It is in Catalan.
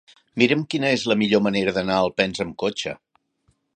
Mira'm quina és la millor manera d'anar a Alpens amb cotxe.